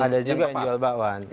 ada juga yang jual bakwan